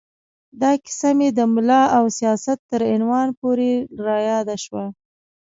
دا کیسه مې د ملا او سیاست تر عنوان پورې را یاده شوه.